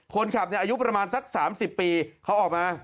คนขับอายุประมาณสัก๓๐ปีเขาออกมา